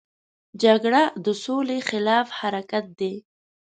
جګړه د سولې خلاف حرکت دی